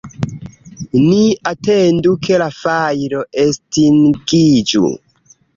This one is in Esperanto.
Ni atendu ke la fajro estingiĝu.